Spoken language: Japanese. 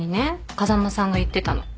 風間さんが言ってたの。